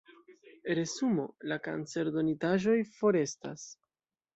Resumo: la kancer-donitaĵoj forestas.